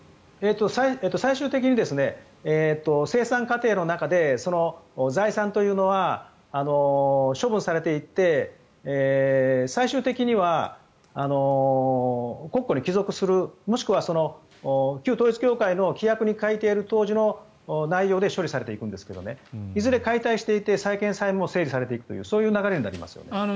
最終的に清算過程の中で財産というのは処分されていって最終的には国庫に帰属するもしくは旧統一教会の規約に書いてある当時の内容で処理されていくんですけどいずれ解体していて債権さえも整理されていくというそういう流れになります。